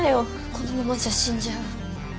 このままじゃ死んじゃう。